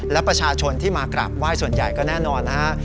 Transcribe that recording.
และประชาชนที่มากราบไหว้ส่วนใหญ่ก็แน่นอนนะฮะ